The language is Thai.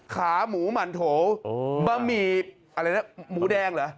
ขาหมูหมั่นโถบะหมี่อะไรนะหมูแดงเหรอ